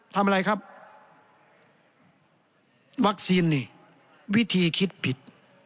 ทำอะไรครับวัคซีนนี่วิธีคิดผิด